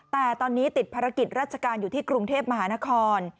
แต่ตอนนี้ติดภารกิจราชการอยู่ที่กรุงเทพมหานคร